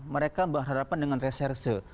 mereka berhadapan dengan reserse